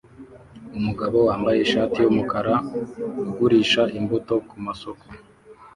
Umugabo wambaye ishati yumukara ugurisha imbuto kumasoko